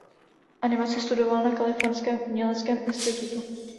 Animaci studoval na Kalifornském uměleckém institutu.